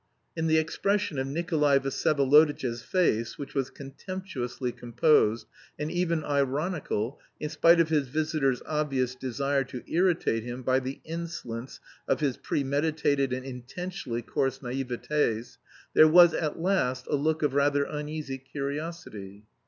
In the expression of Nikolay Vsyevolodovitch's face, which was contemptuously composed, and even ironical, in spite of his visitor's obvious desire to irritate him by the insolence of his premeditated and intentionally coarse naïvetés, there was, at last, a look of rather uneasy curiosity.